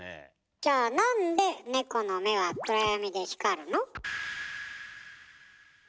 じゃあなんでネコの目は暗闇で光るの？